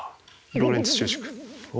ローレンツ収縮